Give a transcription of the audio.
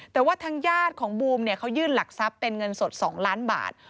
แต่ว่าทางญาติของบูมเขายื่นหลักทรัพย์เป็นเงินสด๒ล้านบาท